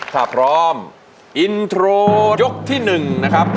ถ้าพร้อมอินโทรยกที่๑นะครับ